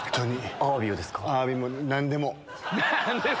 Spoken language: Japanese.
アワビも、なんでも。